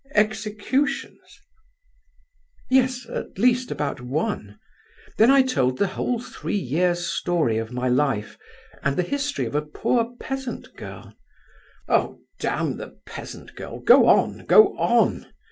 "Executions?" "Yes—at least about one. Then I told the whole three years' story of my life, and the history of a poor peasant girl—" "Oh, damn the peasant girl! go on, go on!"